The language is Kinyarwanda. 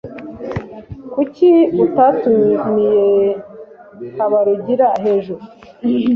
Kuki utatumiye Habarugira hejuru?